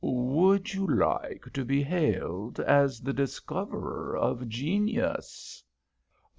"Would you like to be hailed as the discoverer of genius?